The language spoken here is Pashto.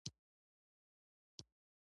ډېری خلک له دې ژوند څخه راضي وو